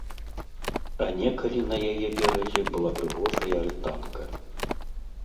А некалі на яе беразе была прыгожая альтанка.